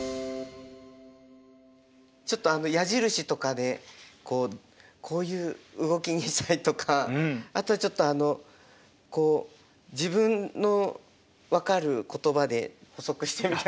ちょっと矢印とかでこういう動きにしたりとかあとはちょっと自分の分かる言葉で補足してみたりとかしました。